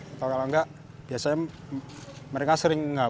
atau kalau enggak biasanya mereka sering